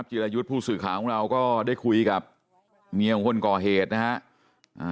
จิรายุทธ์ผู้สื่อข่าวของเราก็ได้คุยกับเมียของคนก่อเหตุนะฮะ